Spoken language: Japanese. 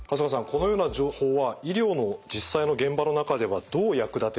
このような情報は医療の実際の現場の中ではどう役立てられるのでしょうか？